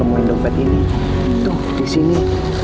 pemilik dompet ini tuh disini